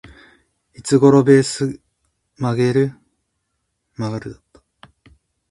いつ頃ベース曲がる？